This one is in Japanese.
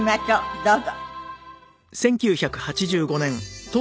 どうぞ。